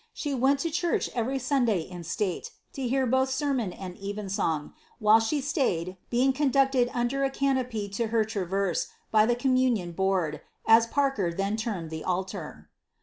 She went to church every Sunday in state, to hear both sermon and evensong, while she stayed, being conducted under a canopy to her traverse by the commu nion board, as Parker then termed the altar.